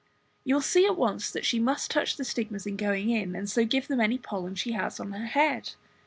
You will see at once that she must touch the stigmas in going in, and so give them any pollen she has on her head.